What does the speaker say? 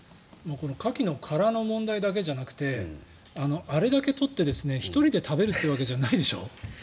カキの殻の問題だけじゃなくてあれだけ取って１人で食べるってわけじゃないでしょ。